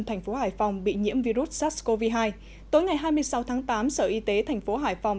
thành phố hải phòng bị nhiễm virus sars cov hai tối ngày hai mươi sáu tháng tám sở y tế thành phố hải phòng